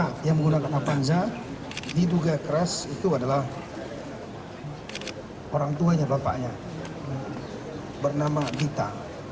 pantikosta yang menggunakan pantaza diduga keras itu adalah orang tuanya bapaknya bernama dita